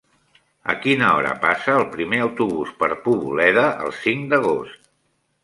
A quina hora passa el primer autobús per Poboleda el cinc d'agost?